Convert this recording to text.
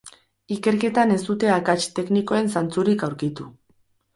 Ikerketan ez dute akats teknikoen zantzurik aurkitu.